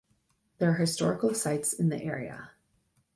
There are historical sites in the area.